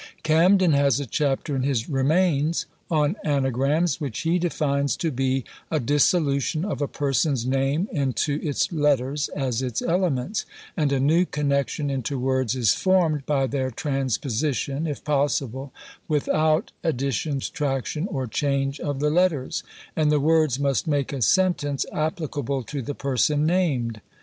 Camden has a chapter in his "Remains" on ANAGRAMS, which he defines to be a dissolution of a (person's) name into its letters, as its elements; and a new connexion into words is formed by their transposition, if possible, without addition, subtraction, or change of the letters: and the words must make a sentence applicable to the person named.